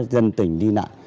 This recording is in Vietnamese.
để dân tỉnh đi